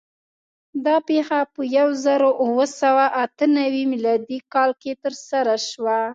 دا پېښه په یو زرو اوه سوه اته نوي م کال کې ترسره شوه.